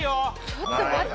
ちょっと待って。